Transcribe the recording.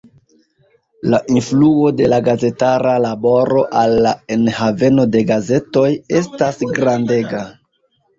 La influo de la gazetara laboro al la enhavo de gazetoj estas grandega.